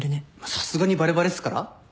さすがにバレバレっすから。